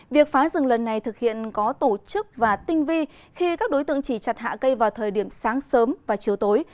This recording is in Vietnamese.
việc phá rừng lần này thực hiện có tổ chức và tinh vi khi các đối tượng chỉ chặt hạ cây vào thời điểm sáng sớm và chiều tối